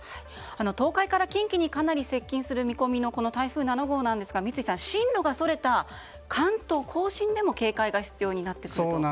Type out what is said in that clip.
東海から近畿に接近する見込みの台風７号ですが三井さん、進路がそれた関東・甲信でも警戒が必要になってくると。